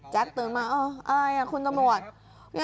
ตื่นมาอะไรอ่ะคุณตำรวจ